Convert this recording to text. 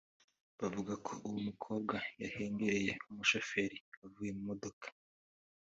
bavuga ko uwo mukobwa yahengereye umushoferi avuye mu modoka